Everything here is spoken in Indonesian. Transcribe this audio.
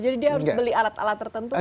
jadi dia harus beli alat alat tertentu kan